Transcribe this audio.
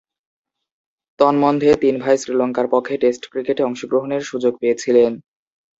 তন্মধ্যে, তিন ভাই শ্রীলঙ্কার পক্ষে টেস্ট ক্রিকেটে অংশগ্রহণের সুযোগ পেয়েছিলেন।